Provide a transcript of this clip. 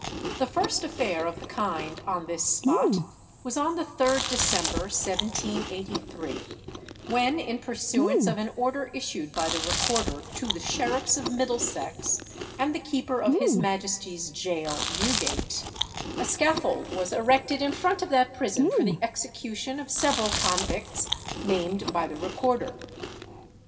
The first affair of the kind on this spot was on the 3rd December, 1783, when, in pursuance of an order issued by the Recorder to the sheriffs of Middlesex and the keeper of His Majesty's gaol, Newgate, a scaffold was erected in front of that prison for the execution of several convicts named by the Recorder.